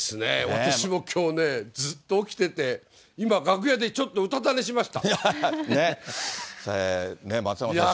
私もきょうね、ずっと起きてて、今、楽屋でちょっとうたた寝しました。